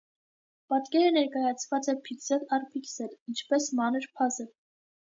Պատկերը ներկայացված է փիքսել առ փիքսել, ինչպես մանր փազլ։